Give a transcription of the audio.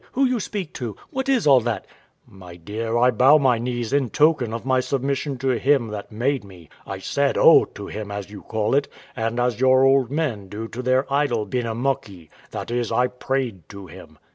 Who you speak to? What is all that? W.A. My dear, I bow my knees in token of my submission to Him that made me: I said O to Him, as you call it, and as your old men do to their idol Benamuckee; that is, I prayed to Him.